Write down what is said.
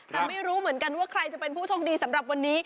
แต่ไม่รู้เหมือนกันว่าใครจะเป็นผู้โชคดีสำหรับวันนี้